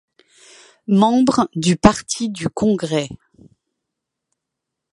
Membre du Parti du Congrès.